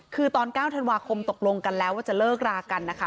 คือตอน๙ธันวาคมตกลงกันแล้วว่าจะเลิกรากันนะคะ